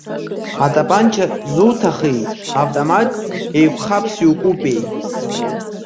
Атапанча зуҭахи, автомат еиқәхаԥс иукупеи?